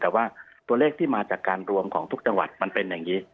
แต่ว่าตัวเลขที่มาจากการรวมของทุกจังหวัดมันเป็นอย่างนี้